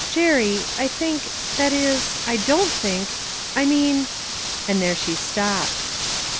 Jerry, I think, that is, I don't think, I mean" And there she stopped.